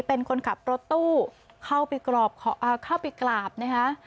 เป็นคนขับรถตู้เข้าไปกราบนะคะ